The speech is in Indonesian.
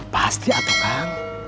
pasti atau kang